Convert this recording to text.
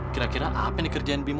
kira kira apa ini kerjaan bimbo